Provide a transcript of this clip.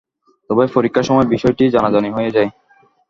তবে পরীক্ষার সময় বিষয়টি জানাজানি হয়ে যায়।